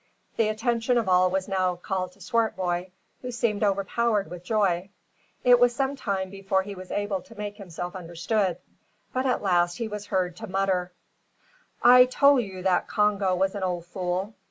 The attention of all was now called to Swartboy, who seemed overpowered with joy. It was some time before he was able to make himself understood; but at last he was heard to mutter: "I tole you that Congo was a ole fool.